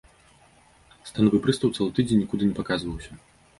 Станавы прыстаў цэлы тыдзень нікуды не паказваўся.